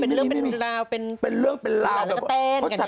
มีมีมีเป็นเรื่องเป็นบุตรลาลาเต้น